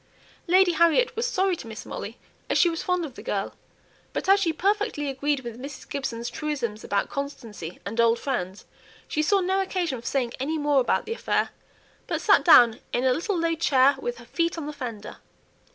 Lady Harriet was sorry to miss Molly, as she was fond of the girl; but as she perfectly agreed with Mrs. Gibson's truism about "constancy" and "old friends," she saw no occasion for saying any more about the affair, but sat down in a little low chair with her feet on the fender.